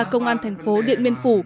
công an thành phố điện biên phủ